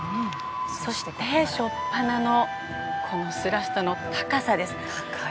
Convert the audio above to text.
そして初っ端のスラストの高さです。